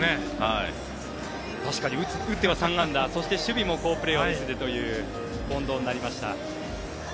打っては３安打守備も好プレーを見せてという近藤になりました。